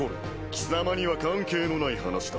貴様には関係のない話だろう？